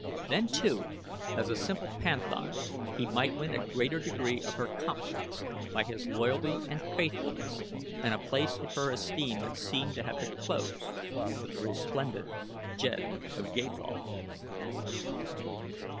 Then, too, as a simple panthan* he might win a greater degree of her confidence by his loyalty and faithfulness and a place in her esteem that seemed to have been closed to the resplendent Jed of Gathol.